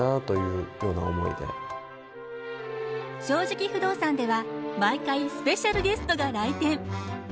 「正直不動産」では毎回スペシャルゲストが来店。